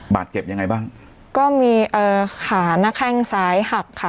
บาดเจ็บยังไงบ้างก็มีเอ่อขาหน้าแข้งซ้ายหักค่ะ